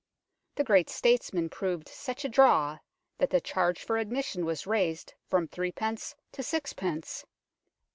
The great statesman proved such a draw that the charge for admission was raised from threepence to sixpence.